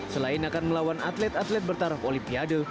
selain akan melawan atlet atlet bertaraf olimpiade